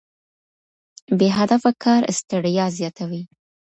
بې هدفه کار ستړیا زیاتوي.